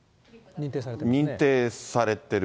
認定されてる。